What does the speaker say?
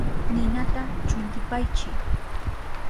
Ninata chuntipaychi.